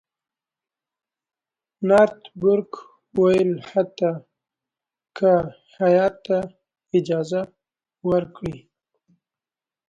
نارت بروک وویل حتی که هیات ته اجازه ورکړي.